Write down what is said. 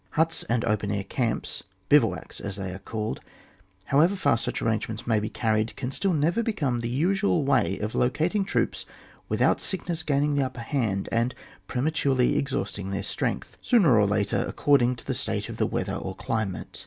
Huts and open air camps (bivouacs as they are called), however far such arrangements may be carried, can still never become the usual way of locating troops without sick ness gaining the upper hand, and prema turely exhausting their strength, sooner or later, according to the state of the weather orclimate.